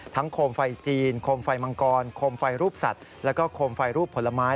โคมไฟจีนโคมไฟมังกรโคมไฟรูปสัตว์แล้วก็โคมไฟรูปผลไม้